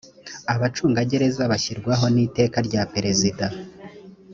ubucungagereza bushyirwaho n’iteka rya perezida